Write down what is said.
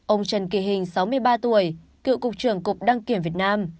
ông trần kỳ hình sáu mươi ba tuổi cựu cục trưởng cục đăng kiểm việt nam